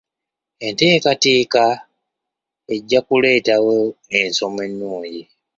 Enteekateeka ejja kuleetawo ensoma ennungi.